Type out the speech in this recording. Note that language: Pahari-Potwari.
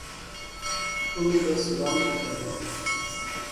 انی بس سلام کیتیا